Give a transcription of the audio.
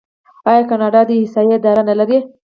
آیا کاناډا د احصایې اداره نلري؟